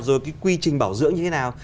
rồi cái quy trình bảo dưỡng như thế nào